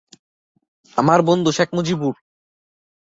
আমার বন্ধু, শেখ মুজিবুর!